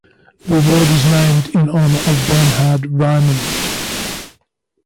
The award is named in honor of Bernhard Riemann.